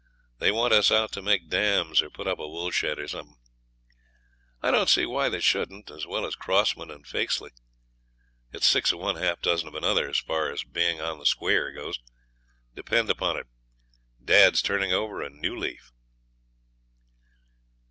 They want us out to make dams or put up a woolshed or something. I don't see why they shouldn't, as well as Crossman and Fakesley. It's six of one and half a dozen of the other, as far as being on the square goes. Depend upon it, dad's turned over a new leaf.'